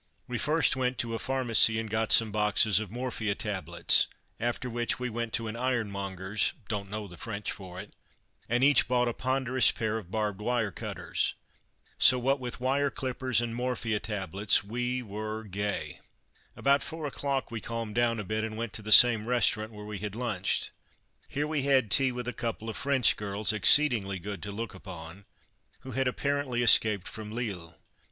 We first went to a "pharmacie" and got some boxes of morphia tablets, after which we went to an ironmonger's (don't know the French for it) and each bought a ponderous pair of barbed wire cutters. So what with wire clippers and morphia tablets, we were gay. About four o'clock we calmed down a bit, and went to the same restaurant where we had lunched. Here we had tea with a couple of French girls, exceeding good to look upon, who had apparently escaped from Lille.